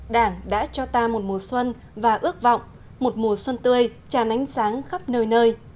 đảng đã cho ta một mùa xuân và ước vọng một mùa xuân tươi tràn ánh sáng khắp nơi nơi